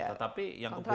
tetapi yang kebupulan